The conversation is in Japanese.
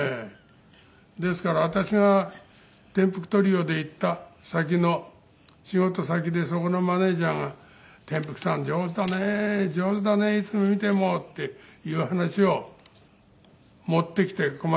ですから私がてんぷくトリオで行った先の仕事先でそこのマネジャーが「てんぷくさん上手だね」「上手だねいつ見ても」っていう話を持ってきてこま